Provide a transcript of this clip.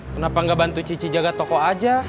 kenapa gak bantu cici jaga toko aja